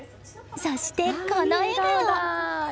そして、この笑顔。